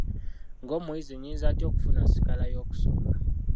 Ng'omuyizi nnyinza ntya okufuna sikaala y'okusoma?